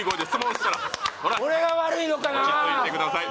落ち着いてください